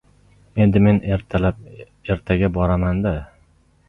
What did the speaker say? Endi, men ertaga boraman-da.